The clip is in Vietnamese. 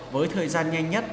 với thời gian nhanh nhất